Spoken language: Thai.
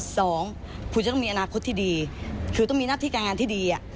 สองคุณจะต้องมีอนาคตที่ดีคือต้องมีหน้าที่การงานที่ดี